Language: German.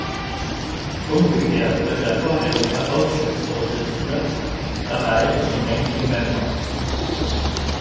Umgekehrt wird der vorherige Ausschussvorsitzende dabei zum Ranking Member.